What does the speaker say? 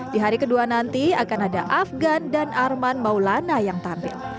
di hari kedua nanti akan ada afgan dan arman maulana yang tampil